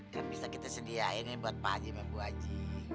kan bisa kita sediain buat pak haji dan ibu haji